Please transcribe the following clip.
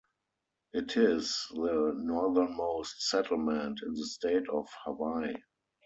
It is the northernmost settlement in the state of Hawaii.